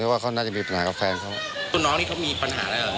ว่าเขาน่าจะมีปัญหากับแฟนเขารุ่นน้องนี่เขามีปัญหาอะไรเหรอ